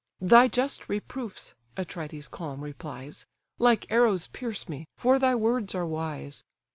"Thy just reproofs (Atrides calm replies) Like arrows pierce me, for thy words are wise.